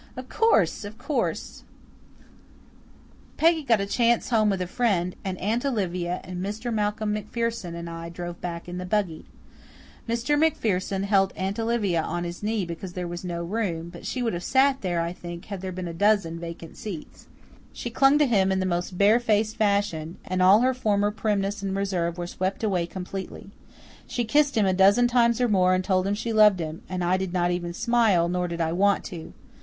"Of course, of course," he said. Peggy got a chance home with a friend, and Aunt Olivia and Mr. Malcolm MacPherson and I drove back in the buggy. Mr. MacPherson held Aunt Olivia on his knee because there was no room, but she would have sat there, I think, had there been a dozen vacant seats. She clung to him in the most barefaced fashion, and all her former primness and reserve were swept away completely. She kissed him a dozen times or more and told him she loved him and I did not even smile, nor did I want to.